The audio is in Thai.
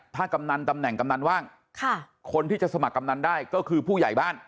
ถ้ากำนันตำแหน่งกำนันว่างคนที่จะสมัครกำนันได้ก็คือผู้ใหญ่บ้าน